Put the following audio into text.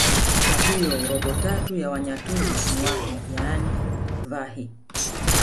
kwa hiyo robo tatu ya wanyaturu ni wahi yaani vahi